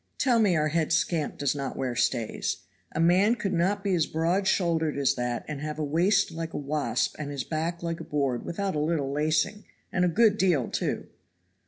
Tell me our head scamp does not wear stays! A man would not be as broadshouldered as that and have a waist like a wasp and his back like a board without a little lacing, and a good deal, too."